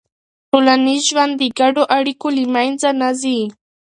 ټولنیز ژوند د ګډو اړیکو له منځه نه ځي.